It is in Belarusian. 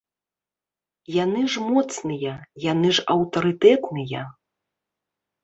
Яны ж моцныя, яны ж аўтарытэтныя.